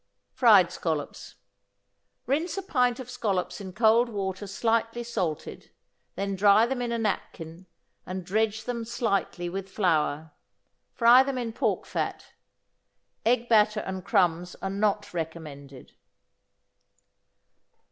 =Fried Scallops.= Rinse a pint of scallops in cold water slightly salted, then dry them in a napkin, and dredge them slightly with flour. Fry them in pork fat. Egg batter and crumbs are not recommended.